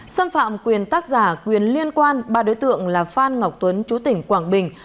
xâm phạm quyền tác giả quyền liên quan ba đối tượng là phan ngọc tuấn chú tỉnh quảng bình